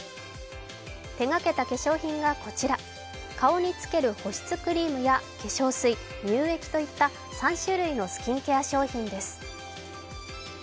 手がけた化粧品がこちら顔につける保湿クリームや化粧水、乳液といった３種類のスキンケア商品です。